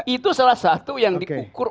itu salah satu yang diukur